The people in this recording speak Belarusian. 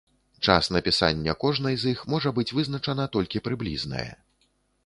Час напісання кожнай з іх можа быць вызначана толькі прыблізнае.